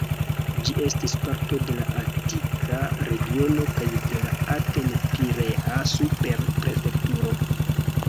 Ĝi estis parto de la Atika regiono kaj de la Aten-Pirea super-prefekturo.